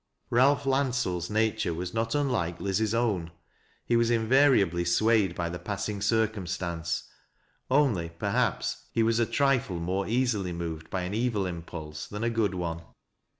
Ralph Landsell's nature was not unlike Liz's own. He was invariably swayed by the passing circumstance, — only, perhaps he was a trifle more easily moved by an evil impulse than a good one.